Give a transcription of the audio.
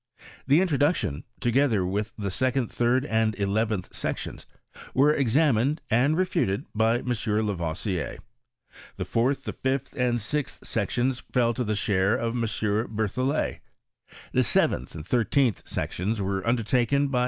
The introduction, together with the second, third, and eleventh sections were examined and refuted by M. Lavoisier; the fourth, the fifth, and sixth sections fell to the share of M. Berthollet; the seventh and thirteenth sections were undertaken by M.